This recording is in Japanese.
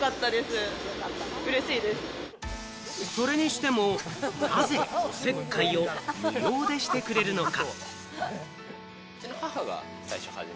それにしてもなぜ、おせっかいを無料でしてくれるのか？